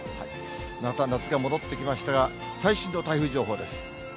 また夏が戻ってきましたが、最新の台風情報です。